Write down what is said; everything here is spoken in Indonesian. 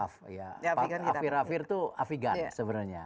paviravir itu afigan sebenarnya